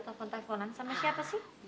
telepon teleponan sama siapa sih